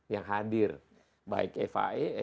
yang hadir baik fia